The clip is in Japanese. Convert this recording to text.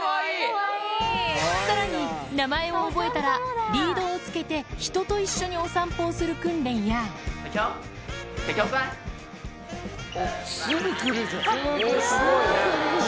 さらに名前を覚えたらリードをつけて人と一緒にお散歩をする訓練やすぐ来るじゃん。